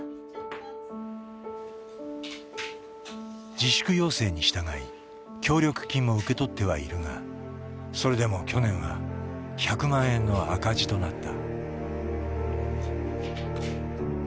自粛要請に従い協力金も受け取ってはいるがそれでも去年は１００万円の赤字となった。